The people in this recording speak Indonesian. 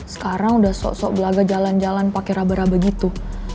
sekarang sudah sok sok belaga jalan jalan pakai raba raba gitu